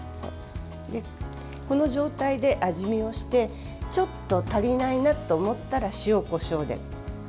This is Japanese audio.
この状態で味見をしてちょっと足りないなと思ったら塩、こしょうで。